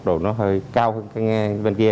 đồ nó hơi cao hơn bên kia